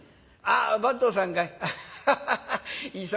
「あ番頭さんかい。